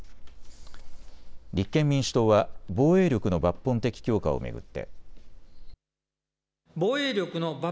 立憲民主党は防衛力の抜本的強化を巡って。